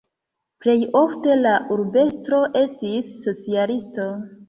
Plej ofte la urbestro estis socialisto.